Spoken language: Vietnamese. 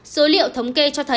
số liệu thống kê cho thấy